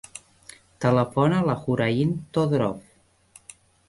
Telefona a la Hoorain Todorov.